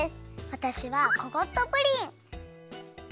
わたしはココットプリン。